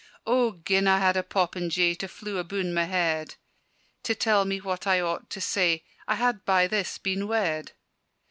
"O gin I had a popinjay To fly abune my head, To tell me what I ought to say, I had by this been wed.